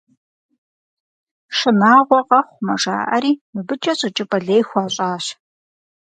Шынагъуэ къэхъумэ, жаӏэри, мыбыкӏэ щӏэкӏыпӏэ лей хуащӏащ.